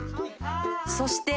そして